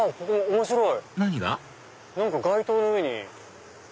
面白い！